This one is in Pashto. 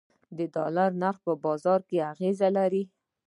د ډالر نرخ په بازار اغیز لري